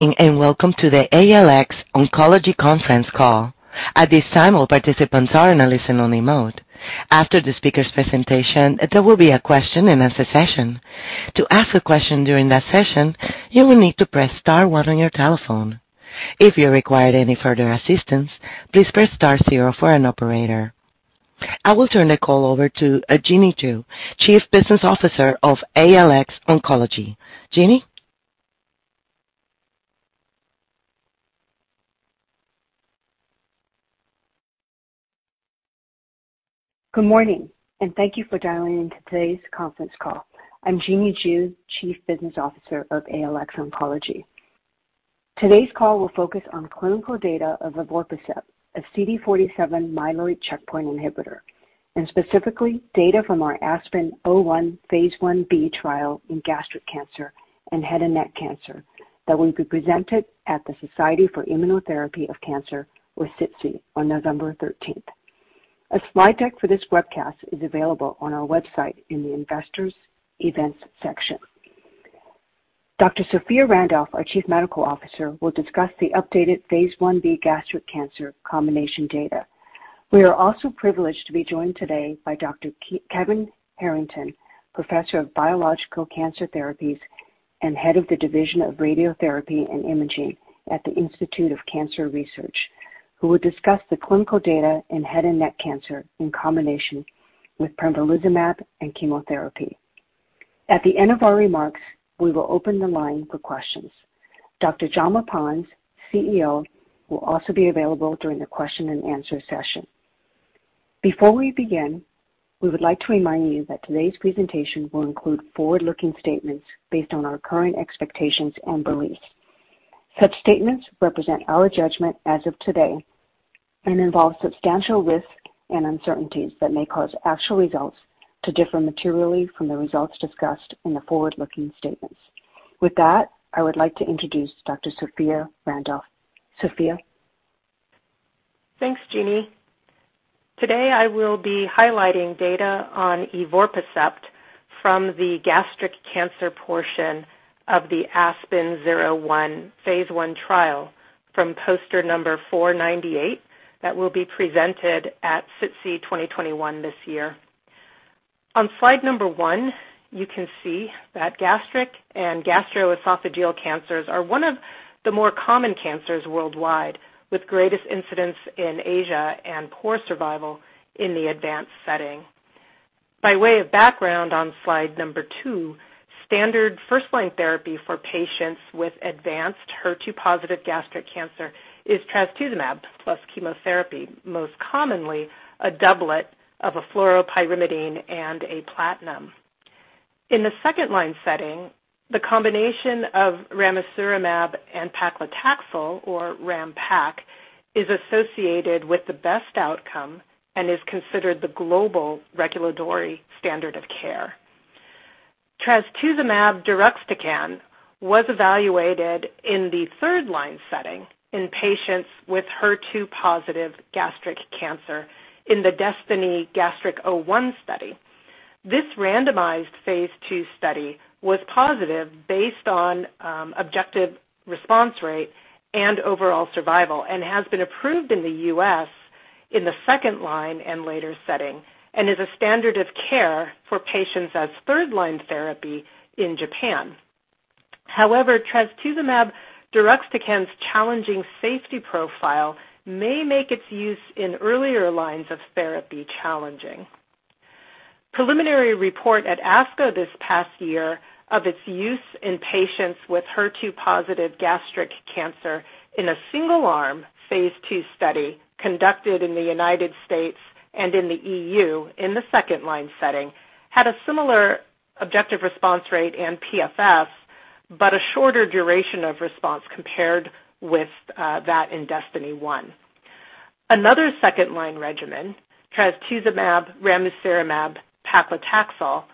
Welcome to the ALX Oncology Conference Call. At this time, all participants are in a listen-only mode. After the speaker's presentation, there will be a question-and-answer session. To ask a question during that session, you will need to press star one on your telephone. If you require any further assistance, please press star zero for an operator. I will turn the call over to Jeanne Jew, Chief Business Officer of ALX Oncology. Jeanne? Good morning, and thank you for dialing in to today's conference call. I'm Jeanne Jew, Chief Business Officer of ALX Oncology. Today's call will focus on clinical data of evorpacept, a CD47 myeloid checkpoint inhibitor, and specifically data from our ASPEN-01 phase Ib trial in gastric cancer and head and neck cancer that will be presented at the Society for Immunotherapy of Cancer, or SITC, on November thirteenth. A slide deck for this webcast is available on our website in the Investors Events section. Dr. Sophia Randolph, our Chief Medical Officer, will discuss the updated phase Ib gastric cancer combination data. We are also privileged to be joined today by Dr. Dr. Kevin Harrington, Professor of Biological Cancer Therapies and Head of the Division of Radiotherapy and Imaging at the Institute of Cancer Research, who will discuss the clinical data in head and neck cancer in combination with pembrolizumab and chemotherapy. At the end of our remarks, we will open the line for questions. Dr. Jaume Pons, CEO, will also be available during the question-and-answer session. Before we begin, we would like to remind you that today's presentation will include forward-looking statements based on our current expectations and beliefs. Such statements represent our judgment as of today and involve substantial risks and uncertainties that may cause actual results to differ materially from the results discussed in the forward-looking statements. With that, I would like to introduce Dr. Sophia Randolph. Sophia? Thanks, Jeanne. Today, I will be highlighting data on evorpacept from the gastric cancer portion of the ASPEN-01 phase I trial from poster number 498 that will be presented at SITC 2021 this year. On slide number 1, you can see that gastric and gastroesophageal cancers are one of the more common cancers worldwide, with greatest incidence in Asia and poor survival in the advanced setting. By way of background on slide number 2, standard first-line therapy for patients with advanced HER2 positive gastric cancer is trastuzumab plus chemotherapy, most commonly a doublet of a fluoropyrimidine and a platinum. In the second-line setting, the combination of ramucirumab and paclitaxel, or ram-pac, is associated with the best outcome and is considered the global regulatory standard of care. Trastuzumab deruxtecan was evaluated in the third-line setting in patients with HER2 positive gastric cancer in the DESTINY-Gastric01 study. This randomized phase II study was positive based on objective response rate and overall survival and has been approved in the U.S. in the second-line and later setting and is a standard of care for patients as third-line therapy in Japan. However, trastuzumab deruxtecan's challenging safety profile may make its use in earlier lines of therapy challenging. Preliminary report at ASCO this past year of its use in patients with HER2-positive gastric cancer in a single-arm phase II study conducted in the United States and in the E.U. in the second-line setting had a similar objective response rate and PFS, but a shorter duration of response compared with that in DESTINY-Gastric01. Another second-line regimen, trastuzumab ramucirumab paclitaxel,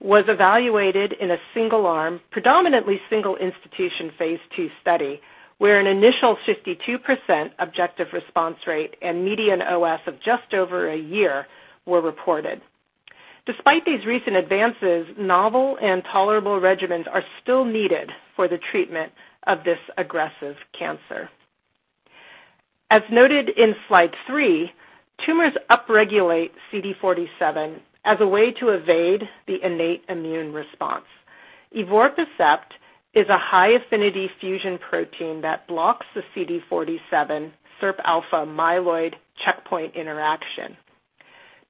was evaluated in a single-arm, predominantly single-institution phase II study, where an initial 52% objective response rate and median OS of just over a year were reported. Despite these recent advances, novel and tolerable regimens are still needed for the treatment of this aggressive cancer. As noted in slide three, tumors upregulate CD47 as a way to evade the innate immune response. Evorpacept is a high-affinity fusion protein that blocks the CD47 SIRPα myeloid checkpoint interaction.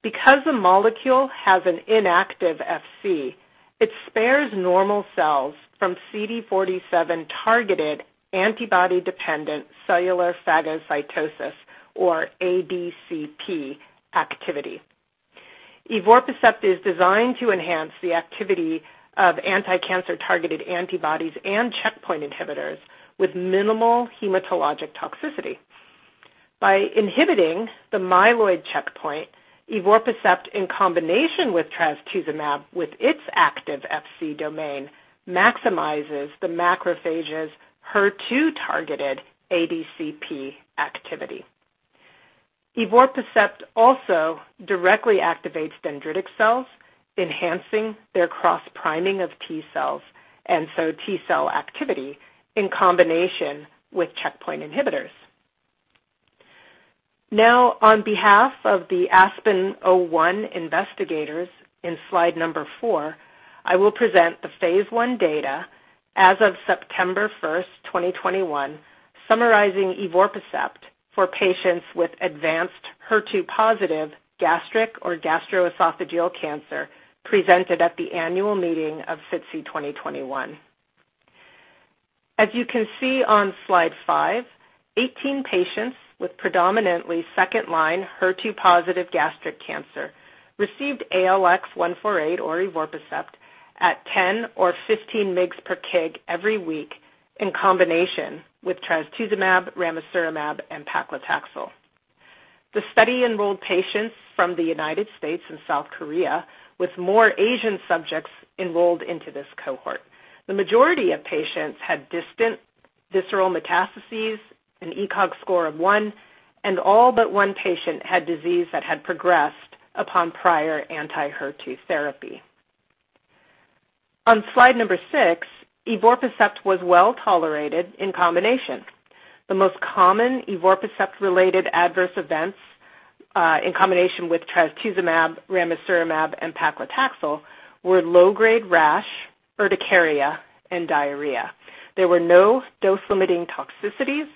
Because the molecule has an inactive Fc, it spares normal cells from CD47-targeted antibody-dependent cellular phagocytosis or ADCP activity. Evorpacept is designed to enhance the activity of anticancer-targeted antibodies and checkpoint inhibitors with minimal hematologic toxicity. By inhibiting the myeloid checkpoint, evorpacept in combination with trastuzumab, with its active Fc domain, maximizes the macrophage's HER2-targeted ADCP activity. Evorpacept also directly activates dendritic cells, enhancing their cross-priming of T cells, and so T-cell activity in combination with checkpoint inhibitors. Now, on behalf of the ASPEN-01 investigators, in slide 4, I will present the phase I data as of September 1, 2021, summarizing evorpacept for patients with advanced HER2-positive gastric or gastroesophageal cancer, presented at the annual meeting of SITC 2021. As you can see on slide 5, 18 patients with predominantly second-line HER2-positive gastric cancer received ALX-148, or evorpacept, at 10 or 15 mg/kg every week in combination with trastuzumab, ramucirumab, and paclitaxel. The study enrolled patients from the United States and South Korea, with more Asian subjects enrolled into this cohort. The majority of patients had distant visceral metastases, an ECOG score of 1, and all but one patient had disease that had progressed upon prior anti-HER2 therapy. On slide 6, evorpacept was well-tolerated in combination. The most common evorpacept-related adverse events in combination with trastuzumab, ramucirumab, and paclitaxel were low-grade rash, urticaria, and diarrhea. There were no dose-limiting toxicities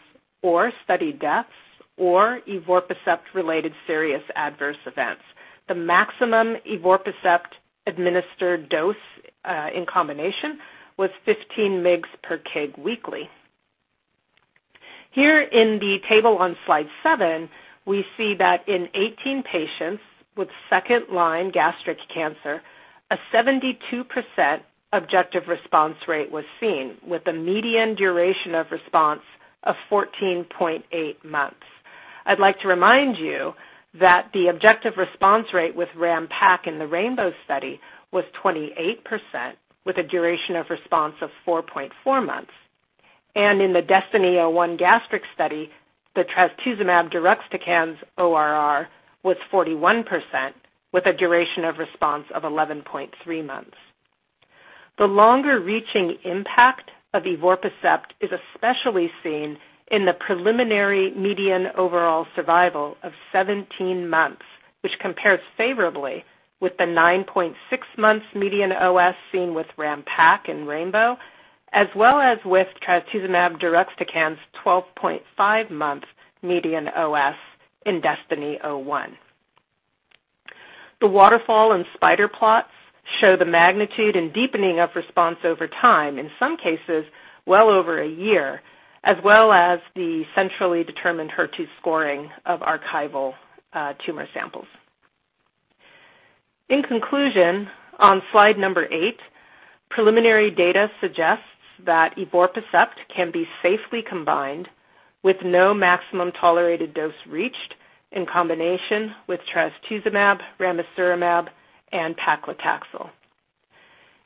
or study deaths or evorpacept-related serious adverse events. The maximum evorpacept administered dose in combination was 15 mg per kg weekly. Here in the table on slide 7, we see that in 18 patients with second-line gastric cancer, a 72% objective response rate was seen, with a median duration of response of 14.8 months. I'd like to remind you that the objective response rate with ramucirumab plus paclitaxel in the RAINBOW study was 28%, with a duration of response of 4.4 months. In the DESTINY-Gastric01 gastric study, the trastuzumab deruxtecan's ORR was 41%, with a duration of response of 11.3 months. The longer-reaching impact of evorpacept is especially seen in the preliminary median overall survival of 17 months, which compares favorably with the 9.6-month median OS seen with RAM+PTX in RAINBOW, as well as with trastuzumab deruxtecan's 12.5-month median OS in DESTINY-Gastric01. The waterfall and spider plots show the magnitude and deepening of response over time, in some cases well over a year, as well as the centrally determined HER2 scoring of archival tumor samples. In conclusion, on slide number 8, preliminary data suggests that evorpacept can be safely combined with no maximum tolerated dose reached in combination with trastuzumab, ramucirumab, and paclitaxel.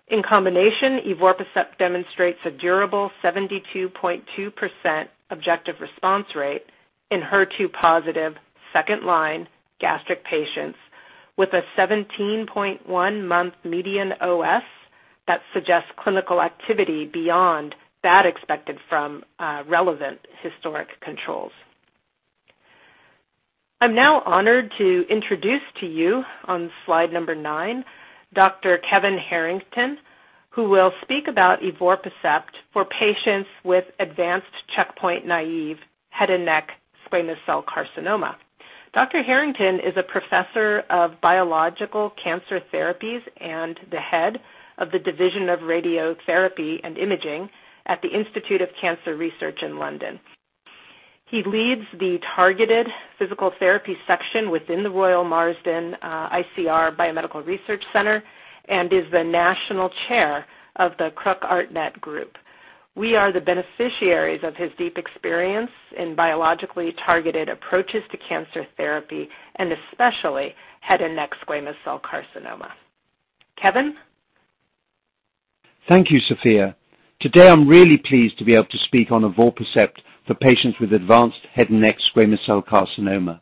In combination, evorpacept demonstrates a durable 72.2% objective response rate in HER2-positive second-line gastric patients with a 17.1-month median OS that suggests clinical activity beyond that expected from relevant historic controls. I'm now honored to introduce to you, on slide 9, Dr. Kevin Harrington, who will speak about evorpacept for patients with advanced checkpoint-naïve head and neck squamous cell carcinoma. Dr. Harrington is a professor of biological cancer therapies and the head of the Division of Radiotherapy and Imaging at the Institute of Cancer Research in London. He leads the targeted therapy section within the Royal Marsden, ICR Biomedical Research Center and is the national chair of the CRUK ART-NET Group. We are the beneficiaries of his deep experience in biologically targeted approaches to cancer therapy and especially head and neck squamous cell carcinoma. Kevin? Thank you, Sophia. Today, I'm really pleased to be able to speak on evorpacept for patients with advanced head and neck squamous cell carcinoma.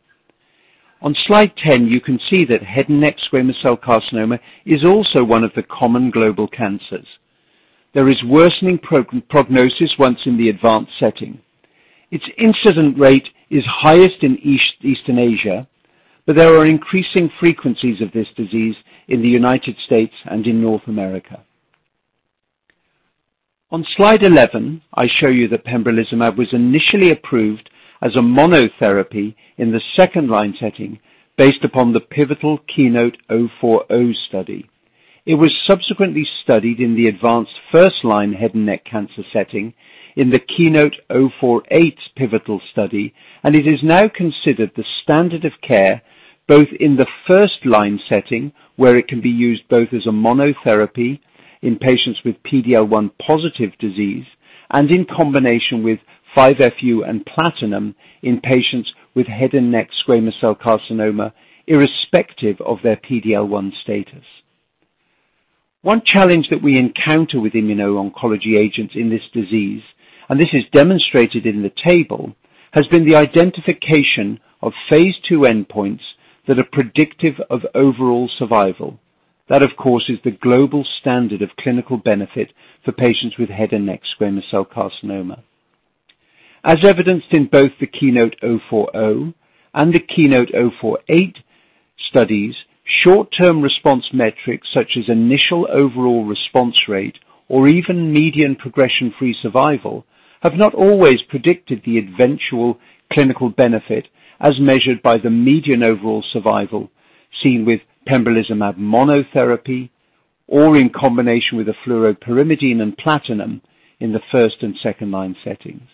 On slide 10, you can see that head and neck squamous cell carcinoma is also one of the common global cancers. There is worsening prognosis once in the advanced setting. Its incidence rate is highest in Eastern Asia, but there are increasing frequencies of this disease in the United States and in North America. On slide 11, I show you that pembrolizumab was initially approved as a monotherapy in the second-line setting based upon the pivotal KEYNOTE-040 study. It was subsequently studied in the advanced first-line head and neck cancer setting in the KEYNOTE-048 pivotal study, and it is now considered the standard of care both in the first-line setting, where it can be used both as a monotherapy in patients with PD-L1 positive disease and in combination with 5-FU and platinum in patients with head and neck squamous cell carcinoma, irrespective of their PD-L1 status. One challenge that we encounter with immuno-oncology agents in this disease, and this is demonstrated in the table, has been the identification of phase II endpoints that are predictive of overall survival. That, of course, is the global standard of clinical benefit for patients with head and neck squamous cell carcinoma. As evidenced in both the KEYNOTE-040 and the KEYNOTE-048 studies, short-term response metrics such as initial overall response rate or even median progression-free survival have not always predicted the eventual clinical benefit as measured by the median overall survival seen with pembrolizumab monotherapy or in combination with a fluoropyrimidine and platinum in the first- and second-line settings.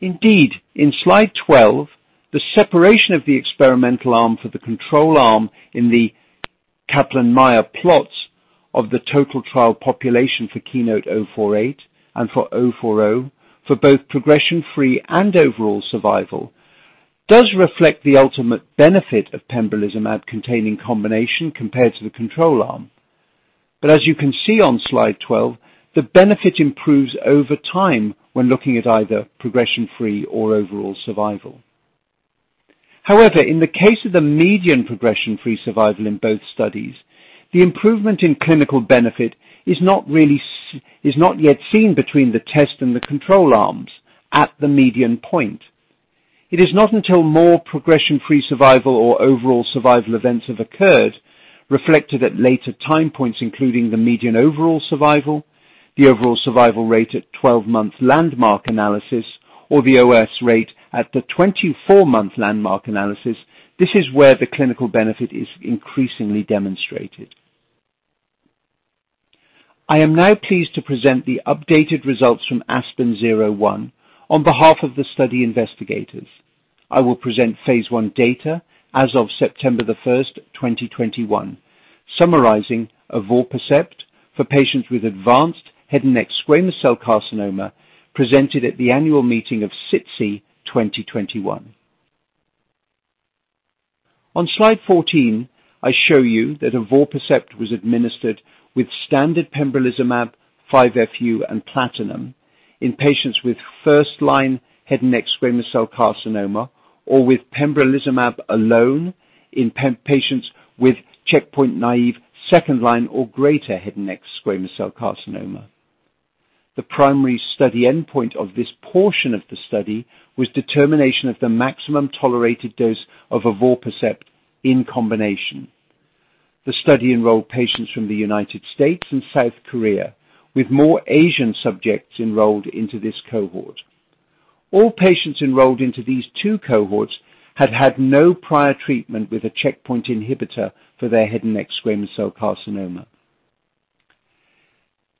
Indeed, in slide 12, the separation of the experimental arm from the control arm in the Kaplan-Meier plots of the total trial population for KEYNOTE-048 and for KEYNOTE-040 for both progression-free and overall survival does reflect the ultimate benefit of pembrolizumab-containing combination compared to the control arm. As you can see on slide 12, the benefit improves over time when looking at either progression-free or overall survival. However, in the case of the median progression-free survival in both studies, the improvement in clinical benefit is not yet seen between the test and the control arms at the median point. It is not until more progression-free survival or overall survival events have occurred, reflected at later time points, including the median overall survival, the overall survival rate at 12-month landmark analysis or the OS rate at the 24-month landmark analysis. This is where the clinical benefit is increasingly demonstrated. I am now pleased to present the updated results from ASPEN-01 on behalf of the study investigators. I will present phase I data as of September 1st, 2021, summarizing evorpacept for patients with advanced head and neck squamous cell carcinoma presented at the annual meeting of SITC 2021. On slide 14, I show you that evorpacept was administered with standard pembrolizumab, 5-FU and platinum in patients with first-line head and neck squamous cell carcinoma or with pembrolizumab alone in patients with checkpoint-naïve second line or greater head and neck squamous cell carcinoma. The primary study endpoint of this portion of the study was determination of the maximum tolerated dose of evorpacept in combination. The study enrolled patients from the United States and South Korea with more Asian subjects enrolled into this cohort. All patients enrolled into these two cohorts had had no prior treatment with a checkpoint inhibitor for their head and neck squamous cell carcinoma.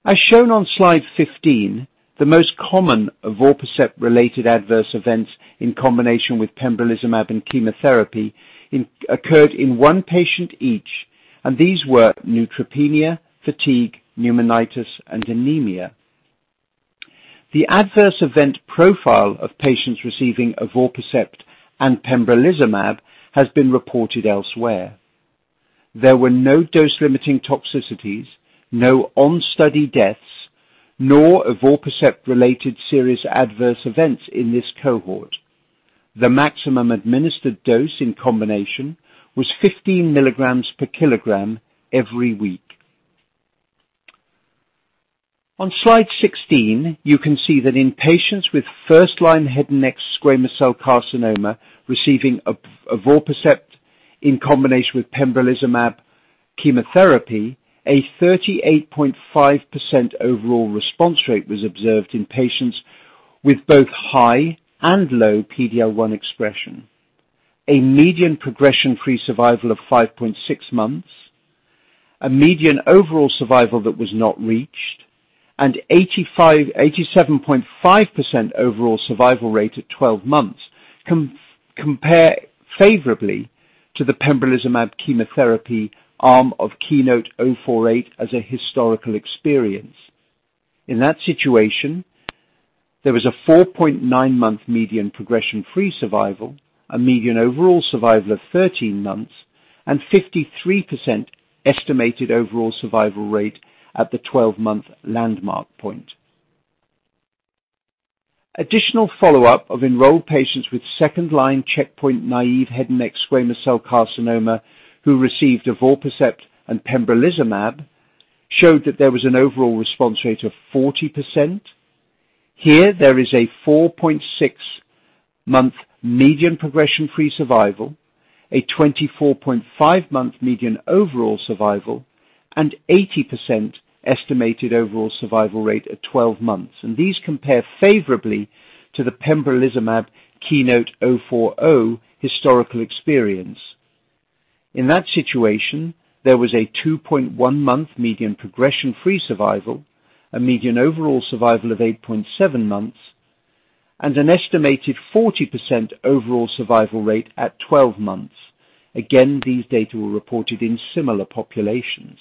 As shown on slide 15, the most common evorpacept-related adverse events in combination with pembrolizumab and chemotherapy occurred in one patient each, and these were neutropenia, fatigue, pneumonitis, and anemia. The adverse event profile of patients receiving evorpacept and pembrolizumab has been reported elsewhere. There were no dose-limiting toxicities, no on-study deaths, nor evorpacept-related serious adverse events in this cohort. The maximum administered dose in combination was 15 milligrams per kilogram every week. On slide 16, you can see that in patients with first-line head and neck squamous cell carcinoma receiving evorpacept in combination with pembrolizumab chemotherapy, a 38.5% overall response rate was observed in patients with both high and low PD-L1 expression. A median progression-free survival of 5.6 months, a median overall survival that was not reached, and 87.5% overall survival rate at 12 months compare favorably to the pembrolizumab chemotherapy arm of KEYNOTE-048 as a historical experience. In that situation, there was a 4.9-month median progression-free survival, a median overall survival of 13 months, and 53% estimated overall survival rate at the 12-month landmark point. Additional follow-up of enrolled patients with second-line checkpoint-naïve head and neck squamous cell carcinoma who received evorpacept and pembrolizumab showed that there was an overall response rate of 40%. Here, there is a 4.6-month median progression-free survival, a 24.5-month median overall survival, and 80% estimated overall survival rate at 12 months. These compare favorably to the pembrolizumab KEYNOTE-040 historical experience. In that situation, there was a 2.1-month median progression-free survival, a median overall survival of 8.7 months, and an estimated 40% overall survival rate at 12 months. Again, these data were reported in similar populations.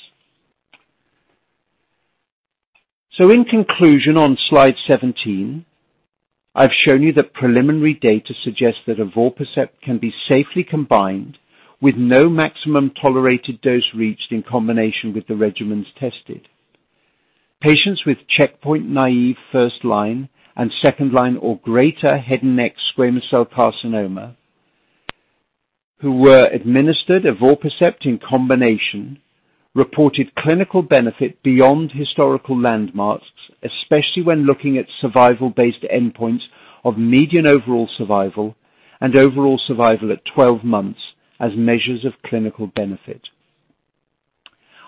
In conclusion, on slide 17, I've shown you the preliminary data suggests that evorpacept can be safely combined with no maximum tolerated dose reached in combination with the regimens tested. Patients with checkpoint-naïve first line and second line or greater head and neck squamous cell carcinoma who were administered evorpacept in combination reported clinical benefit beyond historical landmarks, especially when looking at survival-based endpoints of median overall survival and overall survival at 12 months as measures of clinical benefit.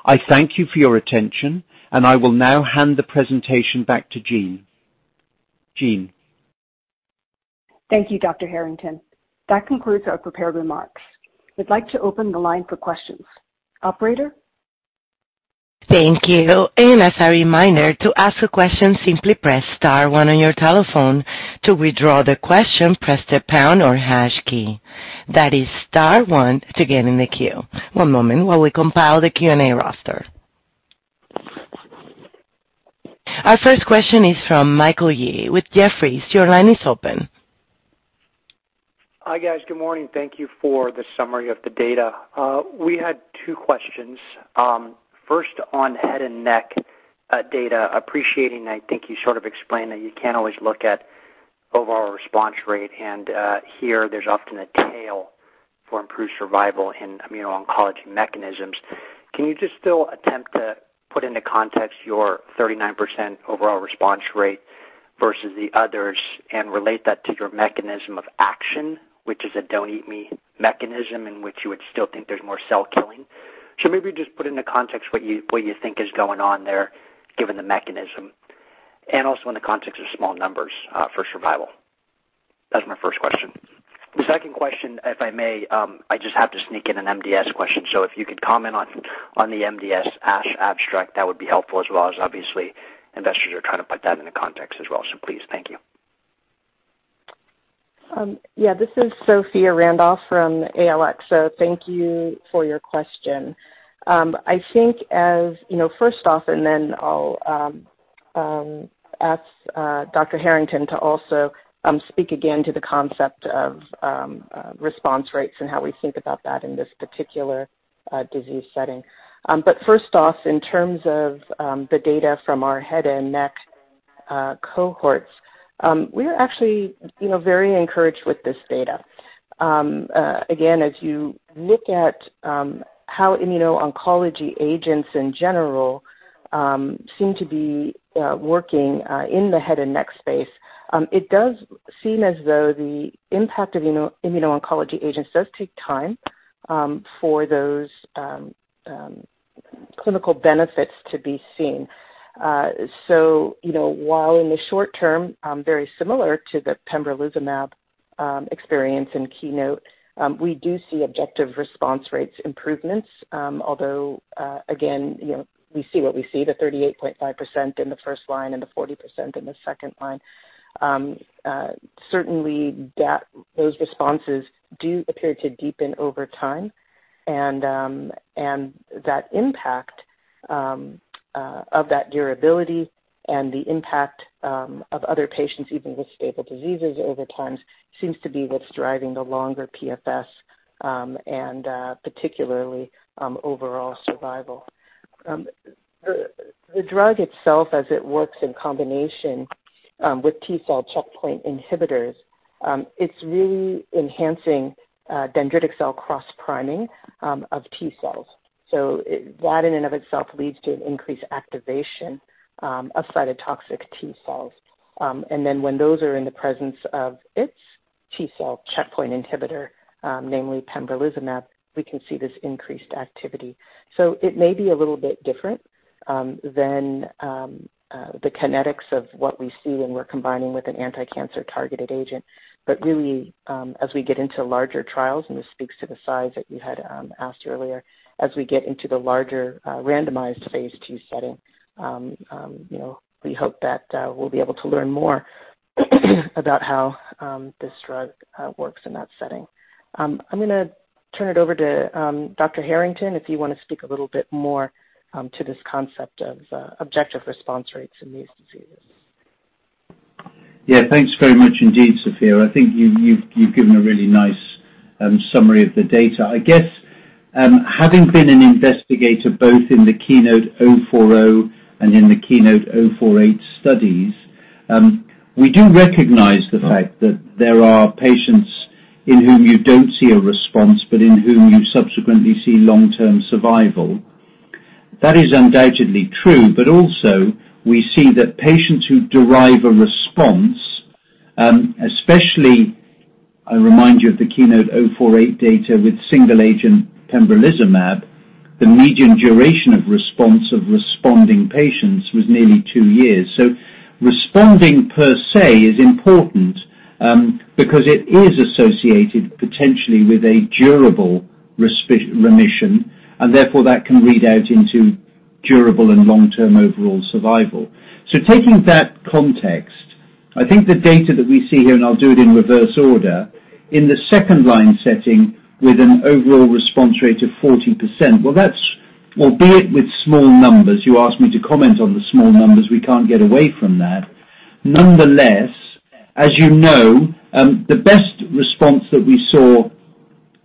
I thank you for your attention, and I will now hand the presentation back to Jeanne. Jeanne. Thank you, Dr. Harrington. That concludes our prepared remarks. We'd like to open the line for questions. Operator? Thank you. As a reminder, to ask a question, simply press star one on your telephone. To withdraw the question, press the pound or hash key. That is star one to get in the queue. One moment while we compile the Q&A roster. Our first question is from Michael Yee with Jefferies. Your line is open. Hi, guys. Good morning. Thank you for the summary of the data. We had two questions. First, on head and neck data, appreciating, I think you sort of explained that you can't always look at overall response rate, and here there's often a tail for improved survival in immuno-oncology mechanisms. Can you just still attempt to put into context your 39% overall response rate versus the others and relate that to your mechanism of action, which is a don't eat me mechanism in which you would still think there's more cell killing? Maybe just put into context what you think is going on there, given the mechanism, and also in the context of small numbers for survival. That's my first question. The second question, if I may, I just have to sneak in an MDS question. If you could comment on the MDS ASH abstract, that would be helpful as well, as obviously investors are trying to put that into context as well. Please. Thank you. Yeah, this is Sophia Randolph from ALX. Thank you for your question. I think you know, first off, and then I'll ask Dr. Harrington to also speak again to the concept of response rates and how we think about that in this particular disease setting. First off, in terms of the data from our head and neck cohorts, we're actually you know, very encouraged with this data. Again, as you look at how immuno-oncology agents in general seem to be working in the head and neck space, it does seem as though the impact of immuno-oncology agents does take time for those clinical benefits to be seen. You know, while in the short term, very similar to the pembrolizumab experience in KEYNOTE, we do see objective response rates improvements. Although, again, you know, we see what we see, the 38.5% in the first line and the 40% in the second line. Certainly those responses do appear to deepen over time. And that impact of that durability and the impact of other patients even with stable diseases over time seems to be what's driving the longer PFS, and particularly overall survival. The drug itself as it works in combination with T-cell checkpoint inhibitors, it's really enhancing dendritic cell cross-priming of T-cells. That in and of itself leads to an increased activation of cytotoxic T-cells. When those are in the presence of its T-cell checkpoint inhibitor, namely pembrolizumab, we can see this increased activity. It may be a little bit different than the kinetics of what we see when we're combining with an anti-cancer targeted agent. Really, as we get into larger trials, and this speaks to the size that you had asked earlier, as we get into the larger randomized phase II setting, you know, we hope that we'll be able to learn more about how this drug works in that setting. I'm gonna turn it over to Dr. Harrington, if you wanna speak a little bit more to this concept of objective response rates in these diseases. Yeah. Thanks very much indeed, Sophia. I think you've given a really nice summary of the data. I guess, having been an investigator both in the KEYNOTE-040 and in the KEYNOTE-048 studies, we do recognize the fact that there are patients in whom you don't see a response, but in whom you subsequently see long-term survival. That is undoubtedly true, but also we see that patients who derive a response, especially, I remind you of the KEYNOTE-048 data with single agent pembrolizumab, the median duration of response of responding patients was nearly two years. Responding per se is important, because it is associated potentially with a durable remission, and therefore that can read out into durable and long-term overall survival. Taking that context, I think the data that we see here, and I'll do it in reverse order. In the second line setting with an overall response rate of 40%, well, that's albeit with small numbers. You asked me to comment on the small numbers. We can't get away from that. Nonetheless, as you know, the best response that we saw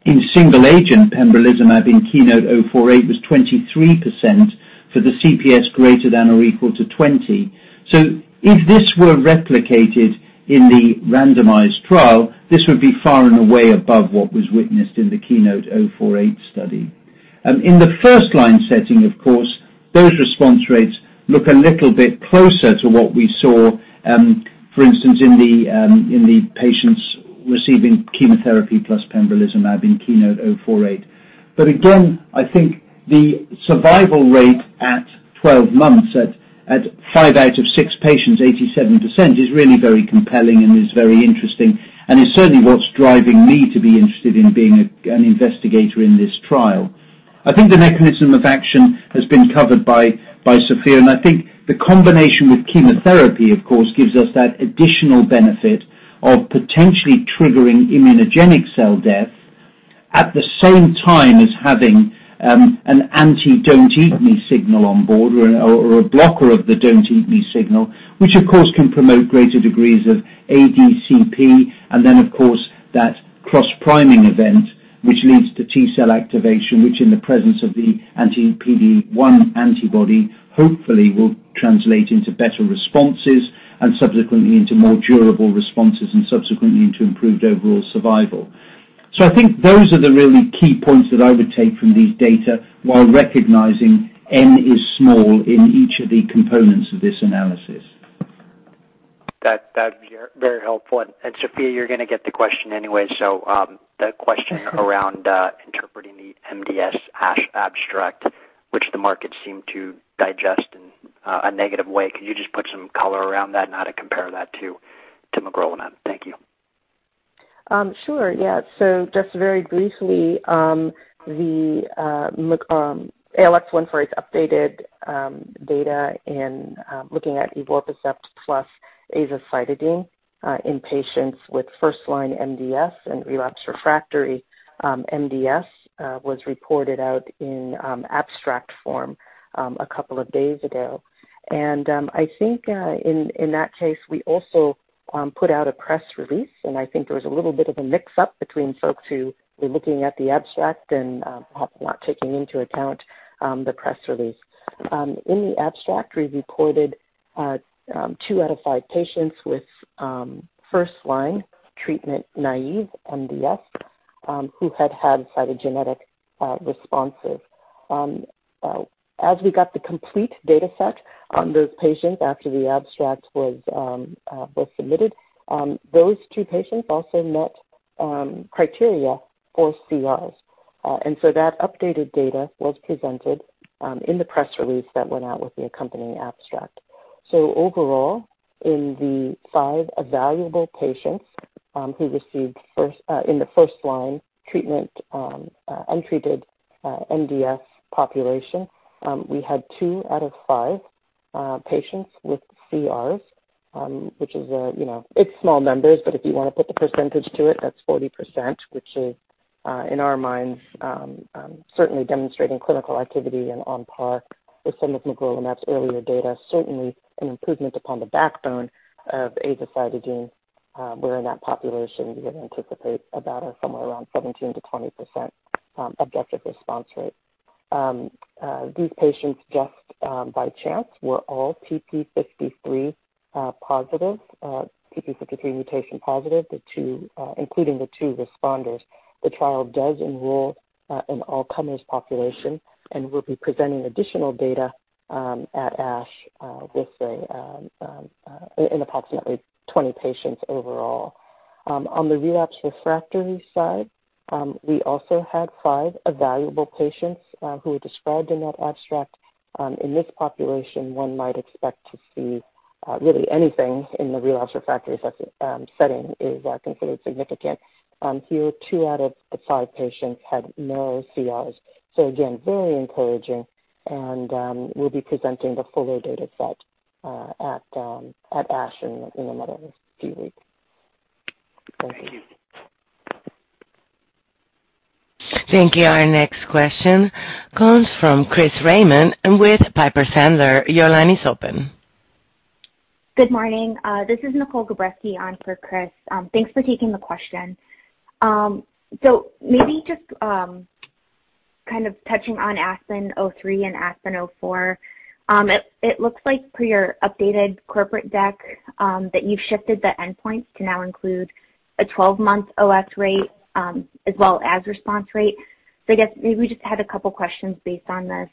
in single agent pembrolizumab in KEYNOTE-048 was 23% for the CPS greater than or equal to 20. If this were replicated in the randomized trial, this would be far and away above what was witnessed in the KEYNOTE-048 study. In the first line setting of course, those response rates look a little bit closer to what we saw, for instance, in the patients receiving chemotherapy plus pembrolizumab in KEYNOTE-048. Again, I think the survival rate at 12 months at five out of six patients, 87%, is really very compelling and is very interesting, and is certainly what's driving me to be interested in being an investigator in this trial. I think the mechanism of action has been covered by Sophia, and I think the combination with chemotherapy, of course, gives us that additional benefit of potentially triggering immunogenic cell death at the same time as having an anti don't eat me signal on board or a blocker of the don't eat me signal, which of course can promote greater degrees of ADCP. Then, of course, that cross-priming event, which leads to T-cell activation, which in the presence of the anti-PD-1 antibody, hopefully will translate into better responses and subsequently into more durable responses and subsequently into improved overall survival. I think those are the really key points that I would take from these data while recognizing N is small in each of the components of this analysis. That's very helpful. Sophia, you're gonna get the question anyway. The question around interpreting the MDS ASH abstract, which the market seemed to digest in a negative way. Could you just put some color around that and how to compare that to magrolimab? Thank you. Sure. Yeah. Just very briefly, the ALX-148 updated data in looking at evorpacept plus azacitidine in patients with first-line MDS and relapsed/refractory MDS was reported out in abstract form a couple of days ago. I think in that case, we also put out a press release, and I think there was a little bit of a mix up between folks who were looking at the abstract and perhaps not taking into account the press release. In the abstract, we reported 2 out of 5 patients with first-line treatment-naive MDS who had had cytogenetic responses. As we got the complete data set on those patients after the abstract was submitted, those two patients also met criteria for CRs. That updated data was presented in the press release that went out with the accompanying abstract. Overall, in the five evaluable patients who received first-line treatment in the untreated MDS population, we had two out of five patients with CRs, which is, you know, it's small numbers, but if you wanna put the percentage to it, that's 40%, which is in our minds certainly demonstrating clinical activity and on par with some of magrolimab's earlier data. Certainly an improvement upon the backbone of azacitidine, where in that population you would anticipate about or somewhere around 17%-20% objective response rate. These patients just by chance were all TP53 positive, TP53 mutation positive, including the two responders. The trial does enroll an all-comers population, and we'll be presenting additional data at ASH in approximately 20 patients overall. On the relapse-refractory side, we also had 5 evaluable patients who were described in that abstract. In this population, one might expect to see really anything in the relapse-refractory setting is considered significant. Here, 2 out of the 5 patients had CRs. Again, very encouraging and we'll be presenting the fuller data set at ASH in a matter of a few weeks. Thank you. Thank you. Our next question comes from Chris Raymond with Piper Sandler. Your line is open. Good morning. This is Nicole Gabreski on for Chris. Thanks for taking the question. Maybe just kind of touching on ASPEN-03 and ASPEN-04. It looks like per your updated corporate deck that you've shifted the endpoints to now include a 12-month OS rate as well as response rate. I guess maybe we just had a couple questions based on this.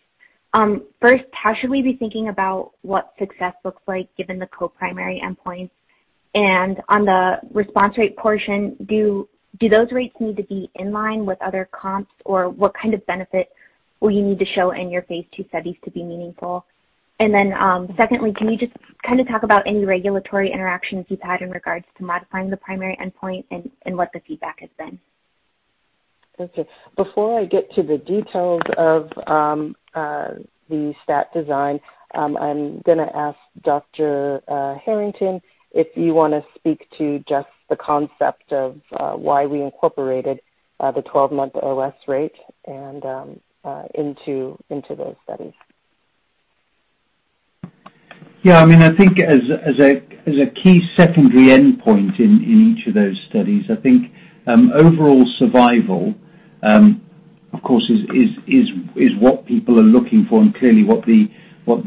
First, how should we be thinking about what success looks like given the co-primary endpoints? And on the response rate portion, do those rates need to be in line with other comps? Or what kind of benefit will you need to show in your phase II studies to be meaningful? Secondly, can you just kind of talk about any regulatory interactions you've had in regards to modifying the primary endpoint and what the feedback has been? Okay. Before I get to the details of the study design, I'm gonna ask Dr. Harrington if you wanna speak to just the concept of why we incorporated the 12-month OS rate into those studies. Yeah. I mean, I think as a key secondary endpoint in each of those studies, I think overall survival, of course, is what people are looking for and clearly what those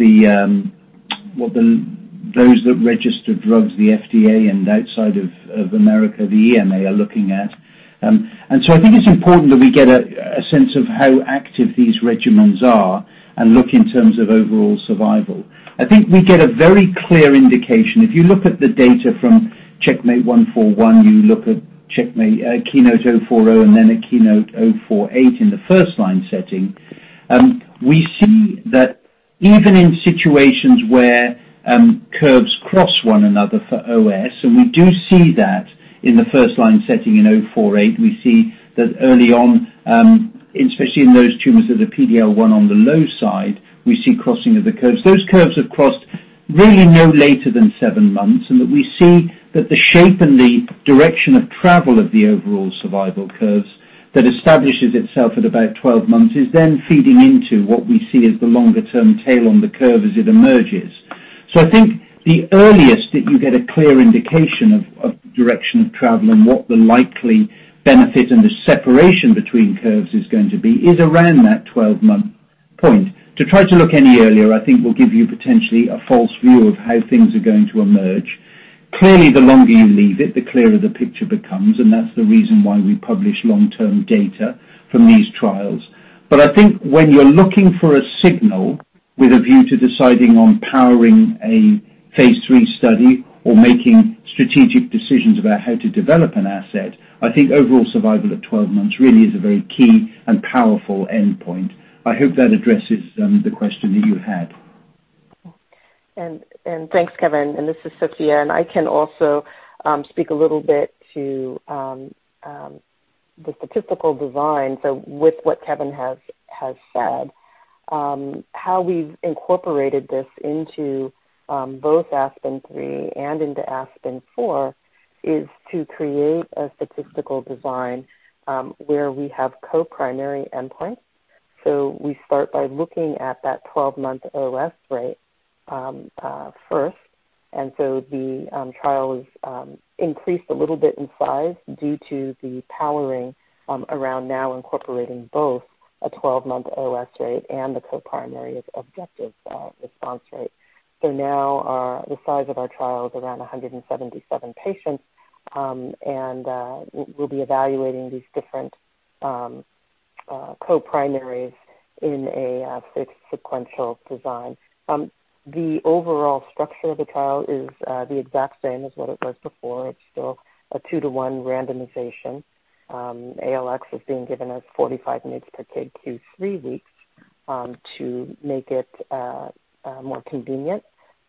that register drugs, the FDA and outside of America, the EMA are looking at. I think it's important that we get a sense of how active these regimens are and look in terms of overall survival. I think we get a very clear indication. If you look at the data from CheckMate 141, you look at CheckMate, KEYNOTE-040, and then at KEYNOTE-048 in the first-line setting, we see that even in situations where curves cross one another for OS, and we do see that in the first-line setting in KEYNOTE-048. We see that early on, especially in those tumors that are PD-L1 on the low side, we see crossing of the curves. Those curves have crossed really no later than 7 months, and that we see that the shape and the direction of travel of the overall survival curves that establishes itself at about 12 months is then feeding into what we see as the longer-term tail on the curve as it emerges. I think the earliest that you get a clear indication of direction of travel and what the likely benefit and the separation between curves is going to be is around that 12-month point. To try to look any earlier, I think will give you potentially a false view of how things are going to emerge. Clearly, the longer you leave it, the clearer the picture becomes, and that's the reason why we publish long-term data from these trials. But I think when you're looking for a signal with a view to deciding on powering a phase III study or making strategic decisions about how to develop an asset, I think overall survival at 12 months really is a very key and powerful endpoint. I hope that addresses the question that you had. Thanks, Kevin. This is Sophia, and I can also speak a little bit to the statistical design. With what Kevin has said, how we've incorporated this into both ASPEN-03 and into ASPEN-04 is to create a statistical design where we have co-primary endpoints. We start by looking at that 12-month OS rate first. The trial is increased a little bit in size due to the powering around now incorporating both a 12-month OS rate and the co-primary objective, response rate. Now our the size of our trial is around 177 patients, and we'll be evaluating these different co-primaries in a fixed sequential design. The overall structure of the trial is the exact same as what it was before. It's still a 2-to-1 randomization. ALX is being given as 45 mg per kg every 3 weeks, to make it more convenient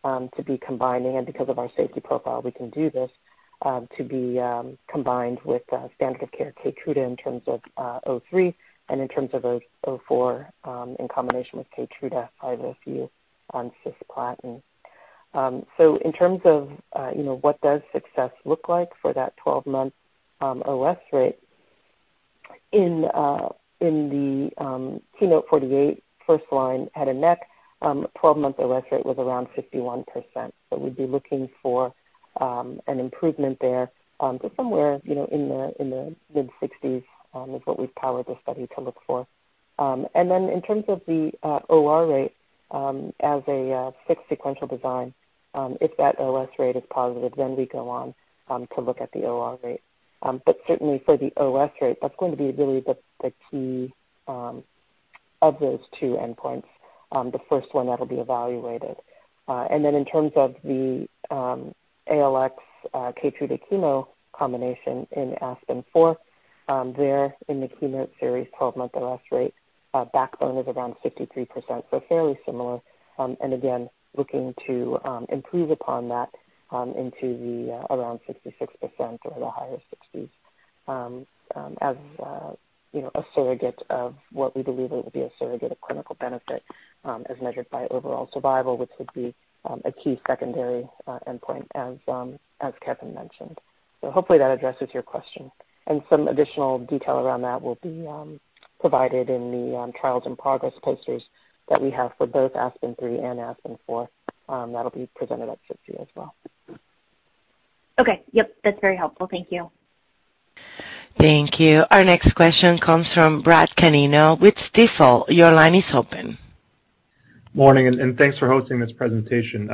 to be combining. Because of our safety profile we can do this, to be combined with standard of care Keytruda in terms of ASPEN-03 and in terms of ASPEN-04, in combination with Keytruda plus 5-FU and cisplatin. In terms of, you know, what does success look like for that 12-month OS rate, in the KEYNOTE-048 first-line head and neck, 12-month OS rate was around 51%. We'd be looking for an improvement there, to somewhere, you know, in the mid-60s, is what we've powered the study to look for. In terms of the ORR, as a fixed sequential design, if that OS rate is positive, then we go on to look at the ORR. Certainly for the OS rate, that's going to be really the key of those two endpoints, the first one that'll be evaluated. In terms of the ALX KEYTRUDA chemo combination in ASPEN-04, there in the KEYNOTE series, 12-month OS rate backbone is around 63%, so fairly similar. Again, looking to improve upon that into the around 66% or the higher 60s%, you know, a surrogate of what we believe it will be a surrogate of clinical benefit, as measured by overall survival, which would be a key secondary endpoint as Kevin mentioned. Hopefully that addresses your question. Some additional detail around that will be provided in the trials in progress posters that we have for both ASPEN-03 and ASPEN-04, that'll be presented at SITC as well. Okay. Yep, that's very helpful. Thank you. Thank you. Our next question comes from Brad Canino with Stifel. Your line is open. Morning, thanks for hosting this presentation.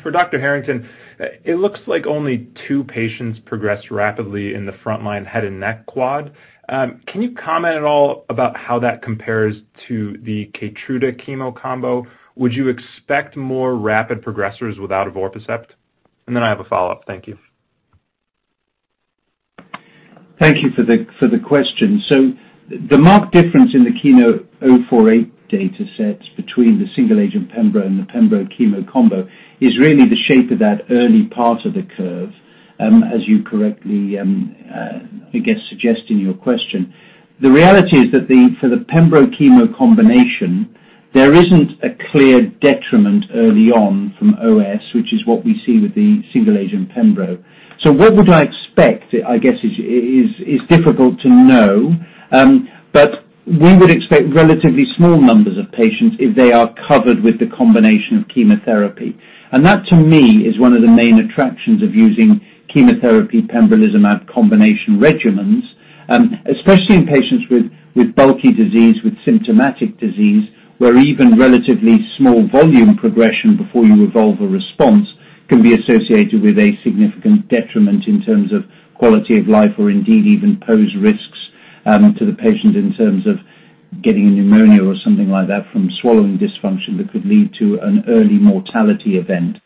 For Dr. Harrington, it looks like only two patients progressed rapidly in the frontline head and neck quad. Can you comment at all about how that compares to the KEYTRUDA chemo combo? Would you expect more rapid progressors without evorpacept? Then I have a follow-up. Thank you. Thank you for the question. The marked difference in the KEYNOTE-048 data sets between the single-agent pembro and the pembro chemo combo is really the shape of that early part of the curve, as you correctly, I guess, suggest in your question. The reality is that for the pembro chemo combination there isn't a clear detriment early on from OS, which is what we see with the single-agent pembro. What would I expect, I guess, is difficult to know, but we would expect relatively small numbers of patients if they are covered with the combination of chemotherapy. That, to me, is one of the main attractions of using chemotherapy, pembrolizumab combination regimens, especially in patients with bulky disease, with symptomatic disease, where even relatively small volume progression before you evolve a response can be associated with a significant detriment in terms of quality of life, or indeed even pose risks, to the patient in terms of getting pneumonia or something like that from swallowing dysfunction that could lead to an early mortality event.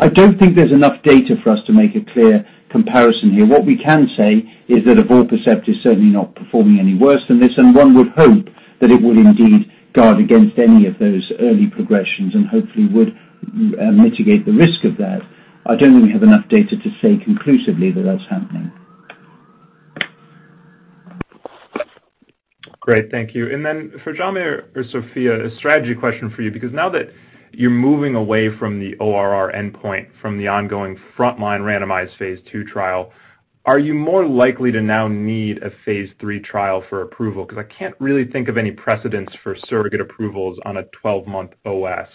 I don't think there's enough data for us to make a clear comparison here. What we can say is that evorpacept is certainly not performing any worse than this, and one would hope that it would indeed guard against any of those early progressions and hopefully would mitigate the risk of that. I don't really have enough data to say conclusively that that's happening. Great. Thank you. Then for Jaume or Sophia, a strategy question for you, because now that you're moving away from the ORR endpoint from the ongoing frontline randomized phase II trial, are you more likely to now need a phase III trial for approval? Because I can't really think of any precedents for surrogate approvals on a 12-month OS.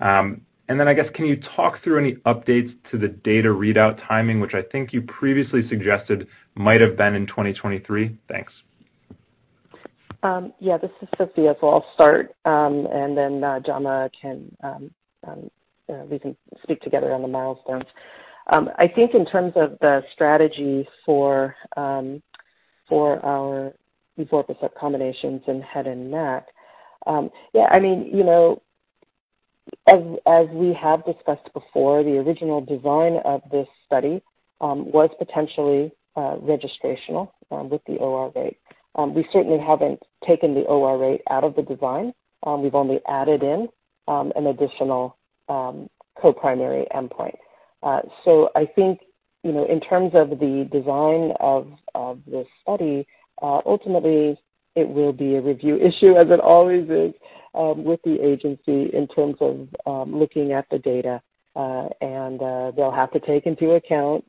I guess, can you talk through any updates to the data readout timing, which I think you previously suggested might have been in 2023? Thanks. This is Dr. Sophia Randolph. I'll start, and then Jaume can, you know, we can speak together on the milestones. I think in terms of the strategy for our evorpacept combinations in head and neck, yeah, I mean, you know, as we have discussed before, the original design of this study was potentially registrational with the ORR. We certainly haven't taken the ORR out of the design. We've only added in an additional co-primary endpoint. I think, you know, in terms of the design of this study, ultimately it will be a review issue, as it always is, with the agency in terms of looking at the data. They'll have to take into account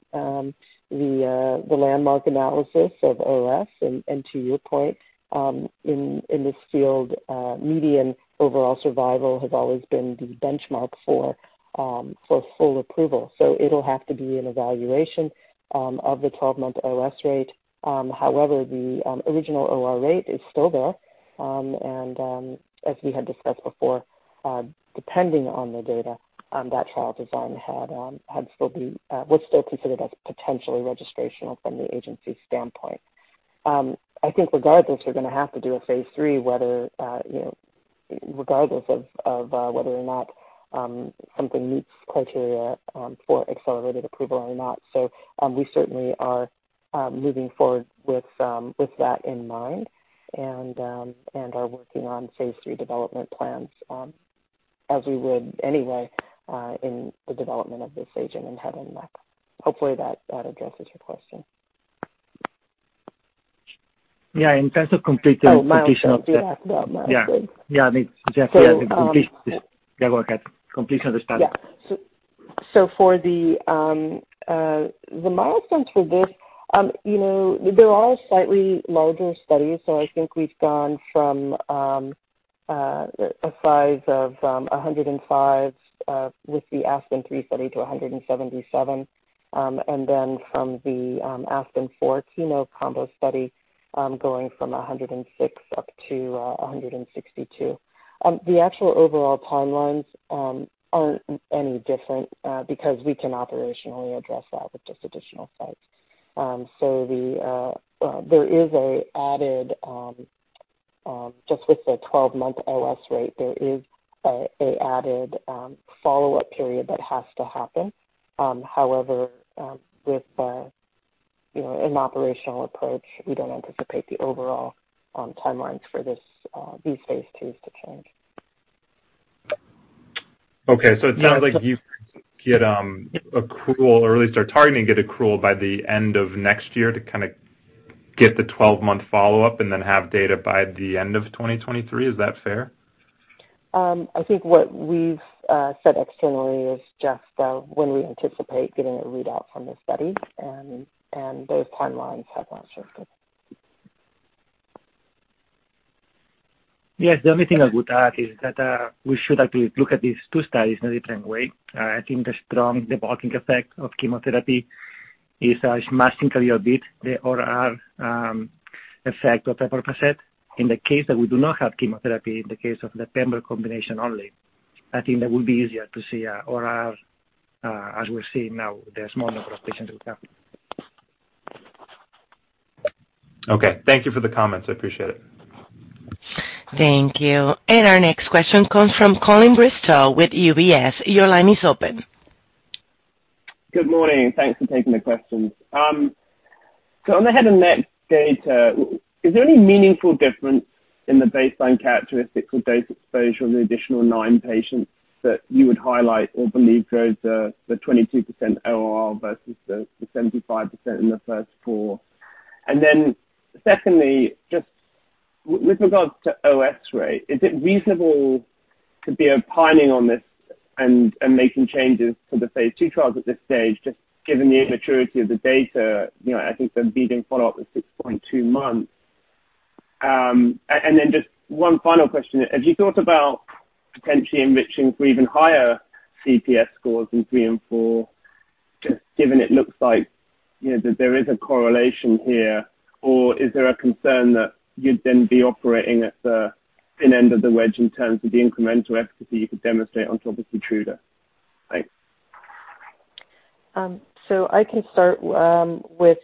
the landmark analysis of OS. To your point, in this field, median overall survival has always been the benchmark for full approval. It will have to be an evaluation of the 12-month OS rate. However, the original ORR is still there. As we had discussed before, depending on the data, that trial design was still considered as potentially registrational from the agency standpoint. I think regardless, we're gonna have to do a phase III, whether you know regardless of whether or not something meets criteria for accelerated approval or not. We certainly are moving forward with that in mind and are working on phase III development plans as we would anyway in the development of this agent in head and neck. Hopefully that addresses your question. Yeah, in terms of completing. Oh, milestones. You asked about milestones. Yeah. I mean, exactly. I think yeah, go ahead. Complete understanding. For the milestones for this, you know, they're all slightly larger studies. I think we've gone from a size of 105 with the ASPEN-03 study to 177. And then from the ASPEN-04 chemo combo study, going from 106 up to 162. The actual overall timelines aren't any different because we can operationally address that with just additional sites. There is an added follow-up period just with the 12-month OS rate. However, with, you know, an operational approach, we don't anticipate the overall timelines for these phase IIs to change. Okay. It sounds like you get accrual or at least are targeting to get accrual by the end of next year to kind of get the 12-month follow-up and then have data by the end of 2023. Is that fair? I think what we've said externally is just when we anticipate getting a readout from this study, and those timelines have not shifted. Yes. The only thing I would add is that, we should actually look at these two studies in a different way. I think the strong debulking effect of chemotherapy is, masking a little bit the ORR, effect of evorpacept. In the case that we do not have chemotherapy, in the case of the pembro combination only, I think that would be easier to see, ORR, as we're seeing now the small number of patients we have. Okay. Thank you for the comments. I appreciate it. Thank you. Our next question comes from Colin Bristow with UBS. Your line is open. Good morning. Thanks for taking the questions. On the head and neck data, is there any meaningful difference in the baseline characteristics or dose exposure of the additional 9 patients that you would highlight or believe drove the 22% ORR versus the 75% in the first 4? Second, just with regards to OS rate, is it reasonable to be opining on this and making changes to the phase II trials at this stage, just given the immaturity of the data? You know, I think the median follow-up was 6.2 months. Just one final question. Have you thought about potentially enriching for even higher CPS scores in 3 and 4, just given it looks like, you know, that there is a correlation here? Is there a concern that you'd then be operating at the thin end of the wedge in terms of the incremental efficacy you could demonstrate on top of KEYTRUDA? Thanks. I can start with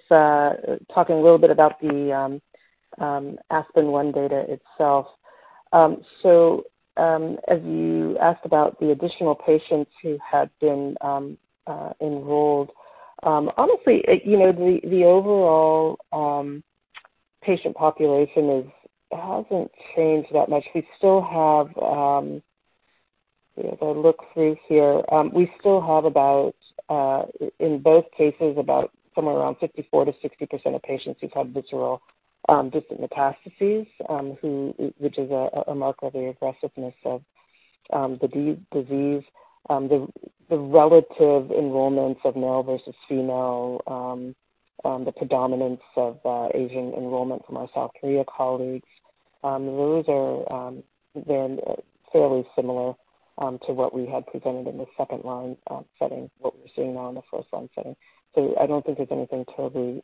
talking a little bit about the ASPEN-01 data itself. As you asked about the additional patients who have been enrolled, honestly, you know, the overall patient population hasn't changed that much. We still have, as I look through here, we still have about, in both cases, about somewhere around 54%-60% of patients who've had visceral distant metastases, which is a mark of the aggressiveness of the disease. The relative enrollments of male versus female, the predominance of Asian enrollment from our South Korea colleagues, those are fairly similar to what we had presented in the second-line setting, what we're seeing now in the first-line setting. I don't think there's anything totally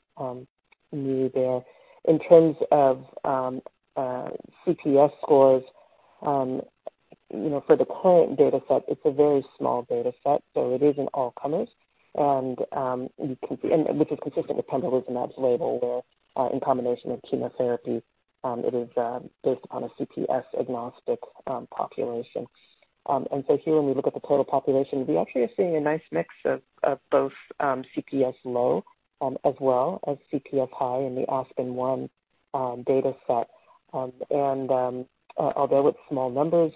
new there. In terms of CPS scores, you know, for the current data set, it's a very small data set, so it is an all comers. You can see which is consistent with pembrolizumab's label where in combination with chemotherapy it is based upon a CPS-agnostic population. Here when we look at the total population, we actually are seeing a nice mix of both CPS low as well as CPS high in the ASPEN-01 data set. Although with small numbers,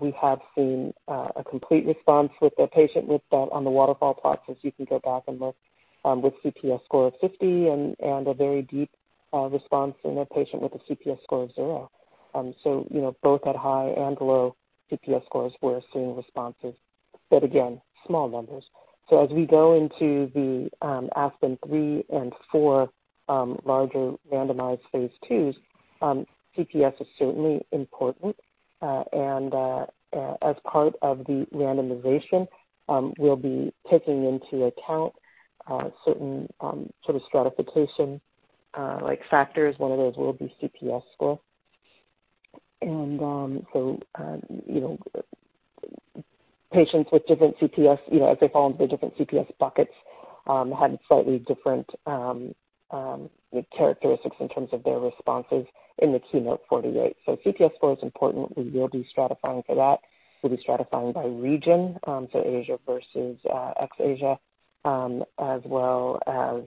we have seen a complete response with a patient with that on the waterfall plots, as you can go back and look, with CPS score of 50 and a very deep response in a patient with a CPS score of 0. You know, both at high and low CPS scores, we're seeing responses, but again, small numbers. As we go into the ASPEN-03 and ASPEN-04, larger randomized phase II, CPS is certainly important. As part of the randomization, we'll be taking into account certain sort of stratification like factors. One of those will be CPS score. You know, patients with different CPS, you know, as they fall into different CPS buckets, had slightly different characteristics in terms of their responses in the KEYNOTE-048. CPS score is important. We will be stratifying for that. We'll be stratifying by region, so Asia versus ex-Asia, as well as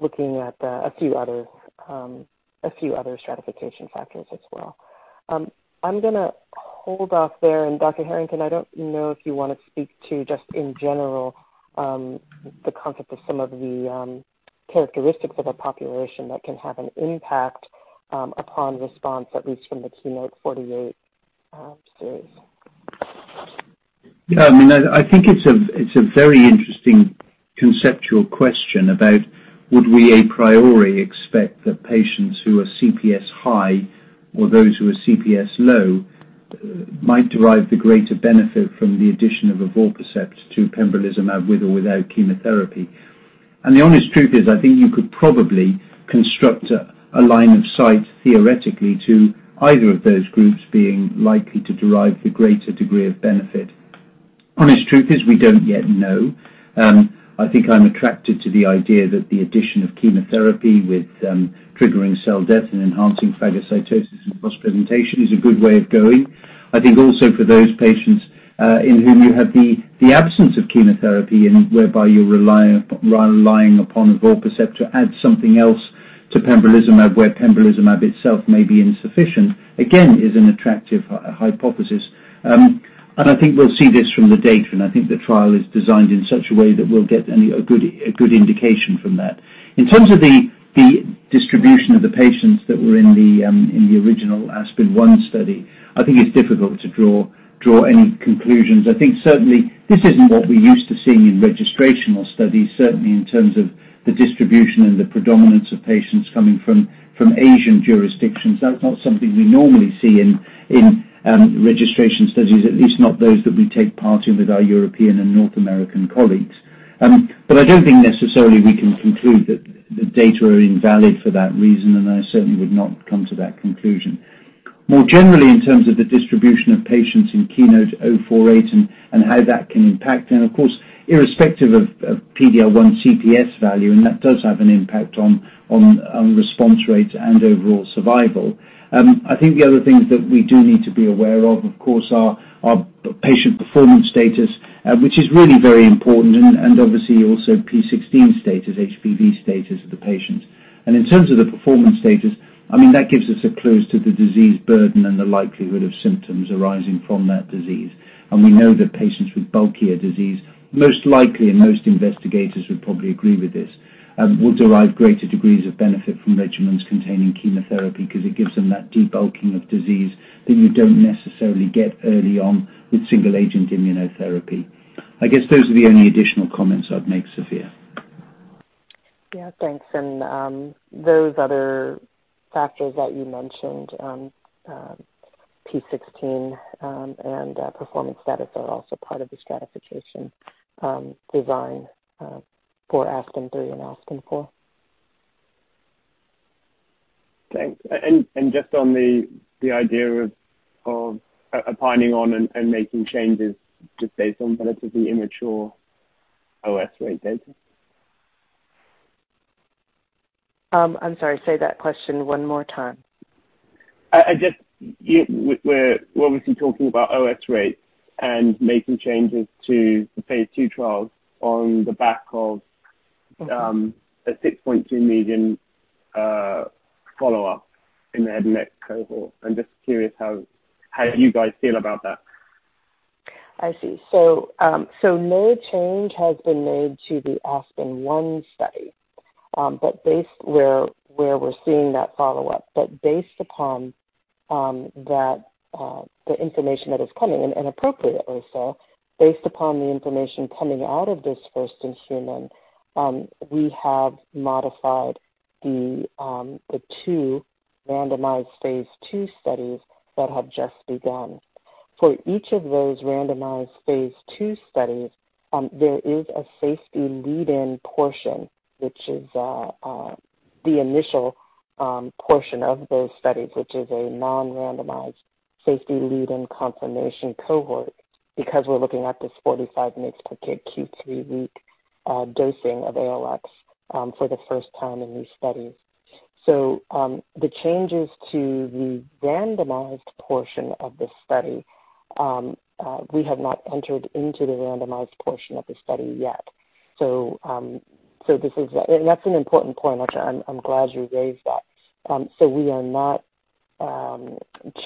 looking at a few other stratification factors as well. I'm gonna hold off there. Dr. Harrington, I don't know if you wanna speak to just in general the concept of some of the characteristics of a population that can have an impact upon response, at least from the KEYNOTE-048 series. Yeah. I mean, I think it's a very interesting conceptual question about would we a priori expect that patients who are CPS high or those who are CPS low might derive the greater benefit from the addition of evorpacept to pembrolizumab with or without chemotherapy. The honest truth is, I think you could probably construct a line of sight theoretically to either of those groups being likely to derive the greater degree of benefit. Honest truth is we don't yet know. I think I'm attracted to the idea that the addition of chemotherapy with triggering cell death and enhancing phagocytosis and cross-presentation is a good way of going. I think also for those patients in whom you have the absence of chemotherapy and whereby you're relying upon evorpacept to add something else to pembrolizumab, where pembrolizumab itself may be insufficient, again, is an attractive hypothesis. I think we'll see this from the data, and I think the trial is designed in such a way that we'll get a good indication from that. In terms of the distribution of the patients that were in the original ASPEN-01 study, I think it's difficult to draw any conclusions. I think certainly this isn't what we're used to seeing in registrational studies, certainly in terms of the distribution and the predominance of patients coming from Asian jurisdictions. That's not something we normally see in registration studies, at least not those that we take part in with our European and North American colleagues. I don't think necessarily we can conclude that the data are invalid for that reason, and I certainly would not come to that conclusion. More generally, in terms of the distribution of patients in KEYNOTE-048 and how that can impact and of course, irrespective of PD-L1 CPS value, and that does have an impact on response rates and overall survival. I think the other things that we do need to be aware of course, are patient performance status, which is really very important and obviously also p16 status, HPV status of the patients. In terms of the performance status, I mean, that gives us a clue as to the disease burden and the likelihood of symptoms arising from that disease. We know that patients with bulkier disease, most likely, and most investigators would probably agree with this will derive greater degrees of benefit from regimens containing chemotherapy because it gives them that debulking of disease that you don't necessarily get early on with single agent immunotherapy. I guess those are the only additional comments I'd make, Sophia. Yeah, thanks. Those other factors that you mentioned, p16, and performance status are also part of the stratification design for ASPEN-03 and ASPEN-04. Thanks. Just on the idea of opining on and making changes just based on relatively immature OS rate data. I'm sorry, say that question one more time. I just, we're obviously talking about OS rates and making changes to the phase II trials on the back of a 6.2 median follow-up in the head and neck cohort. I'm just curious how you guys feel about that. I see. No change has been made to the ASPEN-01 study, but based upon where we're seeing that follow-up, based upon the information that is coming in, and appropriately so, based upon the information coming out of this first-in-human, we have modified the two randomized phase II studies that have just begun. For each of those randomized phase II studies, there is a safety lead-in portion, which is the initial portion of those studies, which is a non-randomized safety lead-in and confirmation cohort because we're looking at this 45 mg per kg Q3W dosing of ALX for the first time in these studies. The changes to the randomized portion of the study, we have not entered into the randomized portion of the study yet. That's an important point, which I'm glad you raised that. We are not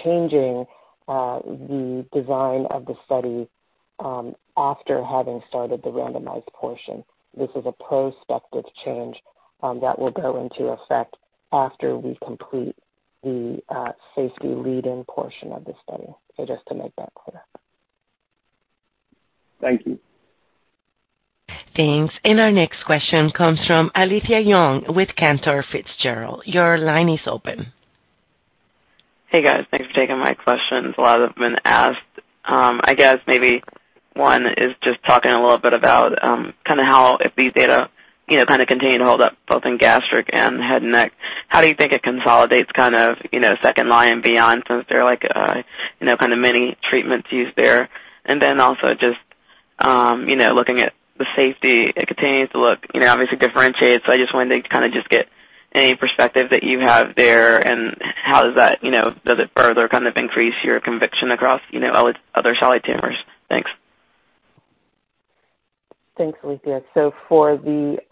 changing the design of the study after having started the randomized portion. This is a prospective change that will go into effect after we complete the safety lead-in portion of the study. Just to make that clear. Thank you. Thanks. Our next question comes from Alethia Young with Cantor Fitzgerald. Your line is open. Hey, guys. Thanks for taking my questions. A lot have been asked. I guess maybe one is just talking a little bit about kinda how if these data, you know, kinda continue to hold up both in gastric and head and neck, how do you think it consolidates kind of, you know, second line and beyond since they're like, you know, kind of many treatments used there? And then also just, you know, looking at the safety, it continues to look, you know, obviously differentiated. I just wanted to kinda just get any perspective that you have there and how does that, you know, does it further kind of increase your conviction across, you know, other solid tumors? Thanks. Thanks, Alethia.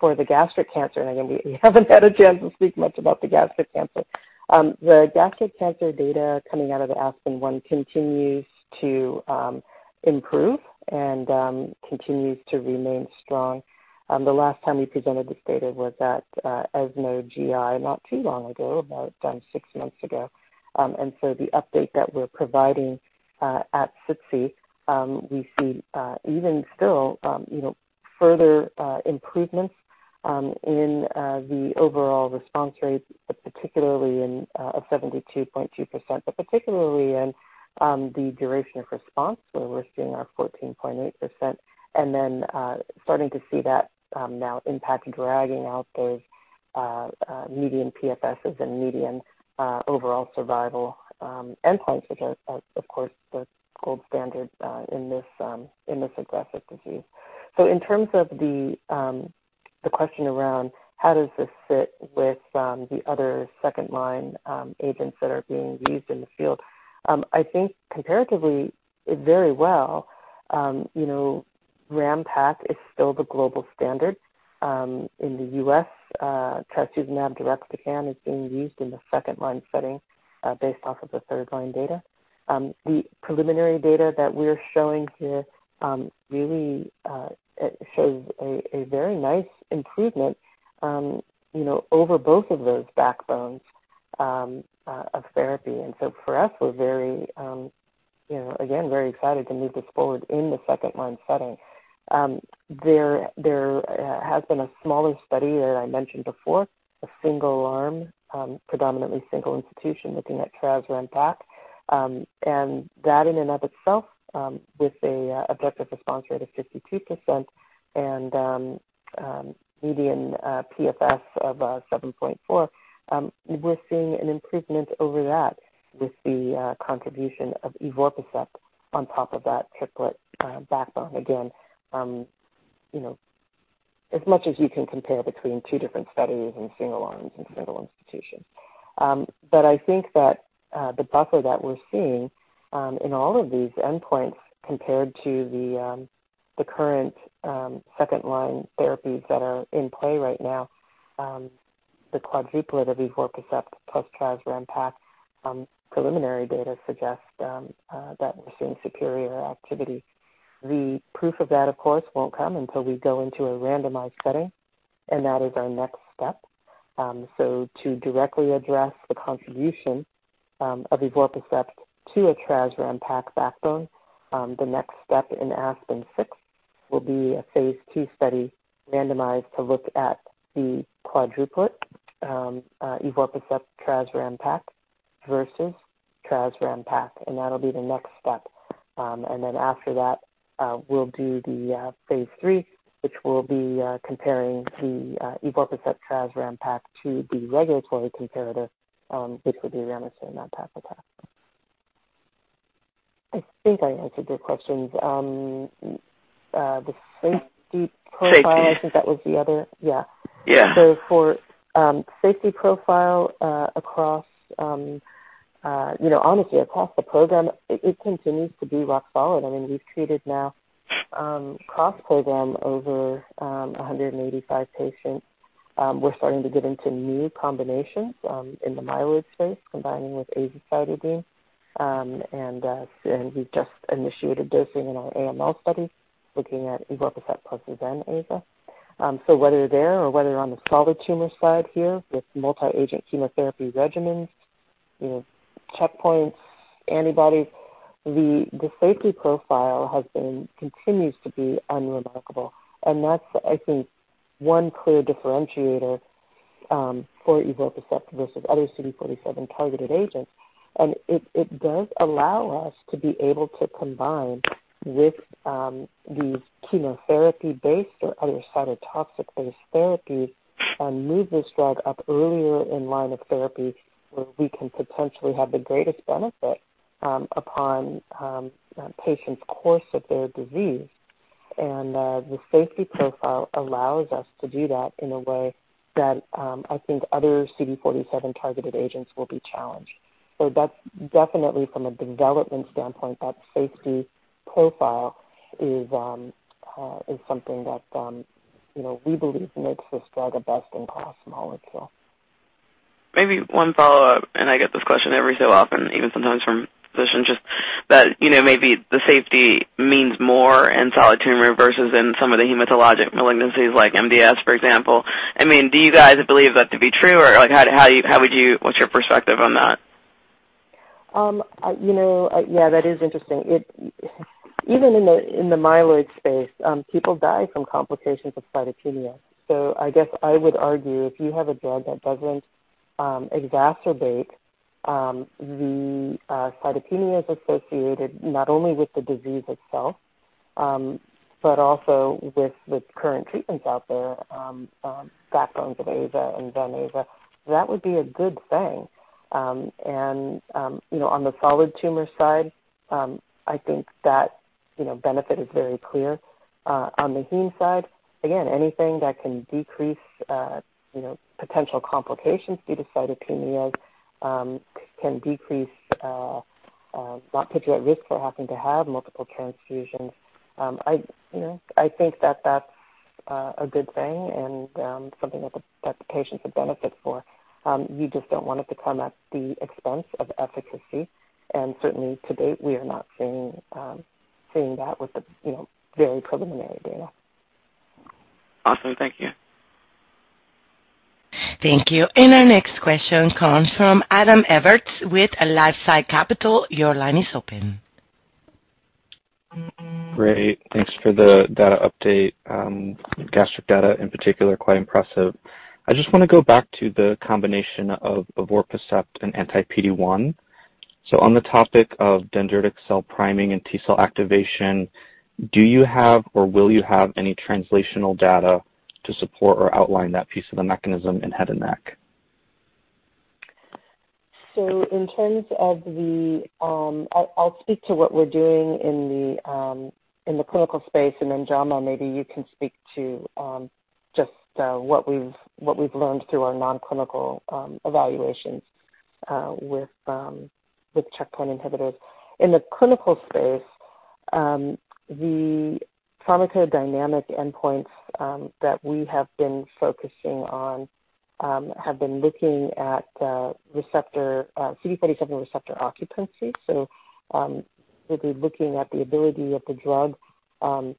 For the gastric cancer, we haven't had a chance to speak much about the gastric cancer. The gastric cancer data coming out of the ASPEN-01 continues to improve and continues to remain strong. The last time we presented this data was at ESMO GI not too long ago, about six months ago. The update that we're providing at SITC, we see even still, you know, further improvements in the overall response rates, but particularly in 72.2%, particularly in the duration of response where we're seeing our 14.8%. Starting to see the impact dragging out those median PFSs and median overall survival endpoints, which are, of course, the gold standard in this aggressive disease. In terms of the question around how does this fit with the other second-line agents that are being used in the field, I think comparatively very well. You know, RAM+PTX is still the global standard. In the U.S., trastuzumab deruxtecan is being used in the second-line setting, based off of the third-line data. The preliminary data that we're showing here really shows a very nice improvement, you know, over both of those backbones of therapy. For us, we're very, you know, again, very excited to move this forward in the second-line setting. There has been a smaller study that I mentioned before, a single-arm, predominantly single-institution looking at trastuzumab and paclitaxel. And that in and of itself, with an objective response rate of 52% and median PFS of 7.4, we're seeing an improvement over that with the contribution of evorpacept on top of that triplet backbone. Again, you know, as much as you can compare between two different studies and single arms and single institutions. I think that the buffer that we're seeing in all of these endpoints compared to the current second-line therapies that are in play right now. The quadruplet of evorpacept plus trastuzumab, ramucirumab and paclitaxel, preliminary data suggests that we're seeing superior activity. The proof of that, of course, won't come until we go into a randomized setting, and that is our next step. To directly address the contribution of evorpacept to a trastuzumab, ramucirumab and paclitaxel backbone, the next step in ASPEN-06 will be a phase II study randomized to look at the quadruplet, evorpacept, trastuzumab, ramucirumab and paclitaxel versus trastuzumab, ramucirumab and paclitaxel, and that'll be the next step. After that, we'll do the phase III, which will be comparing the evorpacept, trastuzumab PAC to the regulatory comparator, which would be ramucirumab paclitaxel. I think I answered your questions. The safety profile I think that was the other. Yeah. For safety profile across, you know, honestly, across the program, it continues to be rock solid. I mean, we've treated now cross-program over 185 patients. We're starting to get into new combinations in the myeloid space, combining with azacitidine. And we've just initiated dosing in our AML study looking at evorpacept plus azacitidine. So whether there or whether on the solid tumor side here with multi-agent chemotherapy regimens, you know, checkpoints, antibodies, the safety profile has been, continues to be unremarkable. That's, I think, one clear differentiator for evorpacept versus other CD47 targeted agents. It does allow us to be able to combine with these chemotherapy-based or other cytotoxic-based therapies and move this drug up earlier in line of therapy where we can potentially have the greatest benefit upon a patient's course of their disease. The safety profile allows us to do that in a way that I think other CD47 targeted agents will be challenged. That's definitely from a development standpoint, that safety profile is something that you know we believe makes this drug a best-in-class molecule. Maybe one follow-up, and I get this question every so often, even sometimes from physicians, just that, you know, maybe the safety means more in solid tumor versus in some of the hematologic malignancies like MDS, for example. I mean, do you guys believe that to be true? Or, like, how would you, what's your perspective on that? You know, yeah, that is interesting. Even in the myeloid space, people die from complications of cytopenia. I guess I would argue if you have a drug that doesn't exacerbate the cytopenias associated not only with the disease itself, but also with current treatments out there, backbones of azacitidine and venetoclax, that would be a good thing. You know, on the solid tumor side, I think that you know, benefit is very clear. On the heme side, again, anything that can decrease you know, potential complications due to cytopenias can not put you at risk for having to have multiple transfusions. You know, I think that that's a good thing and something that the patients have benefited for. You just don't want it to come at the expense of efficacy. Certainly to date, we are not seeing that with the, you know, very preliminary data. Awesome. Thank you. Thank you. Our next question comes from Adam Evertts with LifeSci Capital. Your line is open. Great. Thanks for the data update. Gastric data in particular, quite impressive. I just wanna go back to the combination of evorpacept and anti-PD-1. On the topic of dendritic cell priming and T-cell activation, do you have or will you have any translational data to support or outline that piece of the mechanism in head and neck? In terms of the, I'll speak to what we're doing in the clinical space. Then, Jaume, maybe you can speak to just what we've learned through our non-clinical evaluations with checkpoint inhibitors. In the clinical space, the pharmacodynamic endpoints that we have been focusing on have been looking at CD47 receptor occupancy. We'll be looking at the ability of the drug to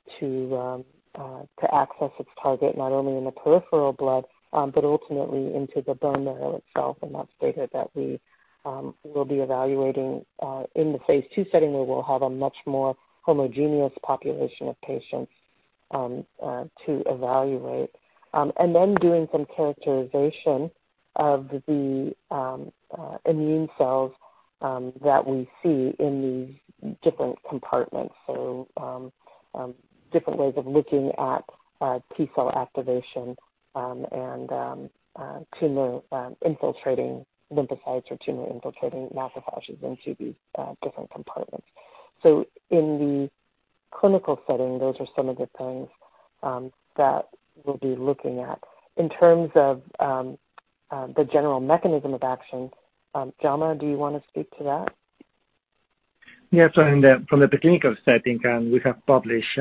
access its target not only in the peripheral blood but ultimately into the bone marrow itself. That's data that we will be evaluating in the phase II setting, where we'll have a much more homogeneous population of patients to evaluate. Doing some characterization of the immune cells that we see in these different compartments. Different ways of looking at T-cell activation and tumor infiltrating lymphocytes or tumor infiltrating macrophages into these different compartments. In the clinical setting, those are some of the things that we'll be looking at. In terms of the general mechanism of action, Jaume, do you wanna speak to that? Yeah. From the preclinical setting, we have published.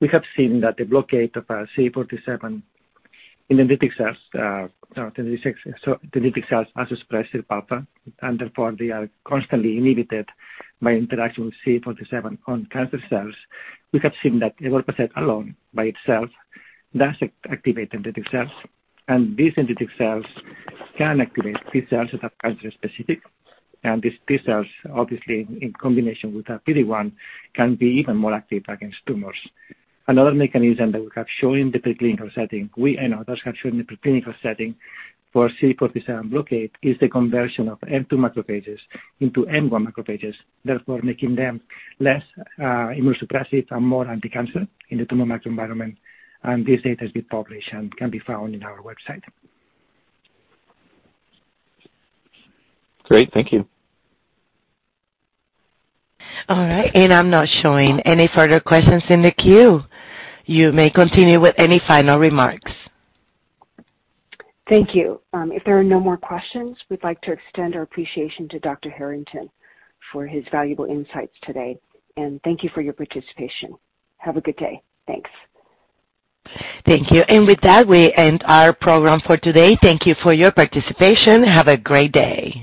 We have seen that the blockade of CD47 in dendritic cells, dendritic cells as expressed in SIRPα, and therefore they are constantly inhibited by interaction with CD47 on cancer cells. We have seen that evorpacept alone by itself does activate dendritic cells, and these dendritic cells can activate T-cells that are cancer specific. These T-cells, obviously in combination with our PD-1, can be even more active against tumors. Another mechanism that we have shown in the preclinical setting, we and others have shown in the preclinical setting for CD47 blockade is the conversion of M2 macrophages into M1 macrophages, therefore making them less immunosuppressive and more anticancer in the tumor microenvironment. This data has been published and can be found in our website. Great. Thank you. All right, and I'm not showing any further questions in the queue. You may continue with any final remarks. Thank you. If there are no more questions, we'd like to extend our appreciation to Dr. Harrington for his valuable insights today. Thank you for your participation. Have a good day. Thanks. Thank you. With that, we end our program for today. Thank you for your participation. Have a great day.